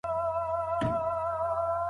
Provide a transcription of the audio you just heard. د معرفت او پوهي په برخه کي ډېر مهم دی.